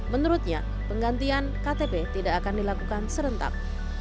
menurutnya penggantian ktp tidak akan dilakukan serentak